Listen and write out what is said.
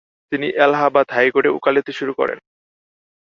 তিনি এলাহাবাদ হাইকোর্টে ওলাকতি শুরু করেন।